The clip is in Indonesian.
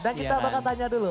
dan kita bakal tanya dulu